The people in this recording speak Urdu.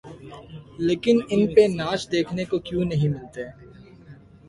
لیکن ان پہ ناچ دیکھنے کو کیوں نہیں ملتے؟